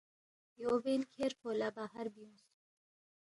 یو بین کھیرفو لہ باہر بیُونگس